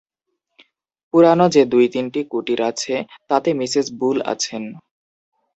পুরানো যে দু-তিনটি কুটীর আছে, তাতে মিসেস বুল আছেন।